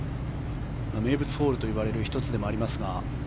名物ホールといわれる１つでもありますが。